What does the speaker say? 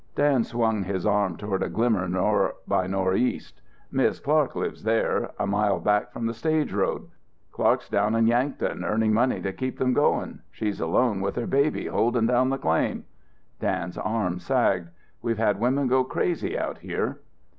Dan swung his arm toward a glimmer nor' by nor'east. "Mis' Clark lives there, a mile back from the stage road. Clark's down in Yankton earning money to keep them going. She's alone with her baby holding down the claim." Dan's arm sagged. "We've had women go crazy out here."